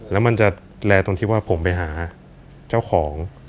แล้วมันจะแลตรงที่ว่าผมไปหาเจ้าของ